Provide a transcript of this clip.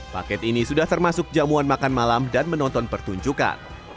paket ini sudah termasuk jamuan makan malam dan menonton pertunjukan